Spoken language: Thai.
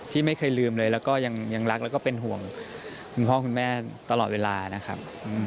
ที่ไม่เคยลืมเลยแล้วก็ยังรักแล้วก็เป็นห่วงคุณพ่อคุณแม่ตลอดเวลานะครับ